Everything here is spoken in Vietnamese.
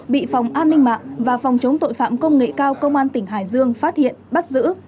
bị phòng an ninh mạng và phòng chống tội phạm công nghệ cao công an tỉnh hải dương phát hiện bắt giữ